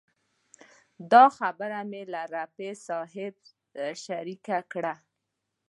دا خبره مې له رفیع صاحب شریکه کړه.